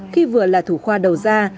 khi vừa là thủ khoa đầu ra